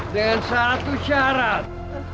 dengan satu syarat